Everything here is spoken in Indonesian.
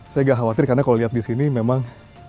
saya agak khawatir karena kalau lihat di sini memang